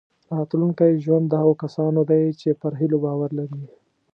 راتلونکی ژوند د هغو کسانو دی چې پر هیلو باور لري.